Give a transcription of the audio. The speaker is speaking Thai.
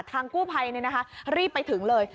ทางกู้ภัยรีบไปถึงเลย